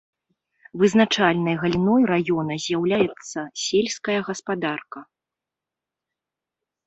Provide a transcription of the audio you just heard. Вызначальнай галіной раёна з'яўляецца сельская гаспадарка.